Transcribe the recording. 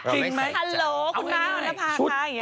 ฮัลโหลคุณน้ำอันดับภาคค่ะ